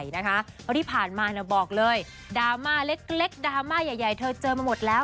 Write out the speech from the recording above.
เพราะที่ผ่านมาบอกเลยดราม่าเล็กดราม่าใหญ่เธอเจอมาหมดแล้ว